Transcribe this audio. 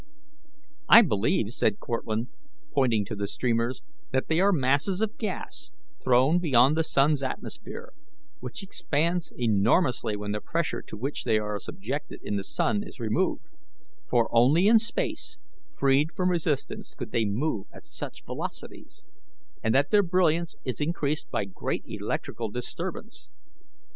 "I believe," said Cortlandt, pointing to the streamers, "that they are masses of gas thrown beyond the sun's atmosphere, which expand enormously when the pressure to which they are subjected in the sun is removed for only in space freed from resistance could they move at such velocities, and that their brilliancy is increased by great electrical disturbance.